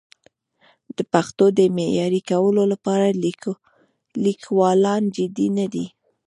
د پښتو د معیاري کولو لپاره لیکوالان جدي نه دي.